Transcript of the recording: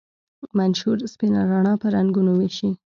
منشور سپینه رڼا په رنګونو ویشي.